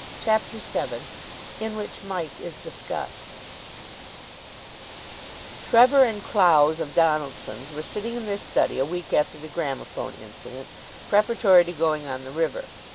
CHAPTER VII IN WHICH MIKE IS DISCUSSED Trevor and Clowes, of Donaldson's, were sitting in their study a week after the gramophone incident, preparatory to going on the river.